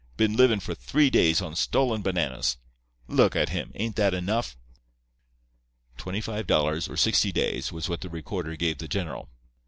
Been livin' for three days on stolen bananas. Look at him. Ain't that enough?' "Twenty five dollars or sixty days, was what the recorder gave the general.